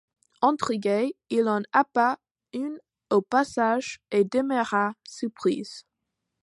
Intrigué, il en happa une au passage et demeura surpris.